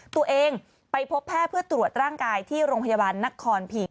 ตัวเองไปพบแพทย์เพื่อตรวจร่างกายที่โรงพยาบาลนครพีค